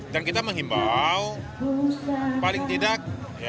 dan kita mengimbau paling tidak